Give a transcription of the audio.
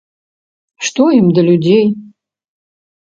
Што ім да людзей?